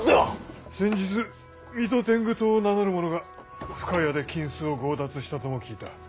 先日水戸天狗党を名乗る者が深谷で金子を強奪したとも聞いた。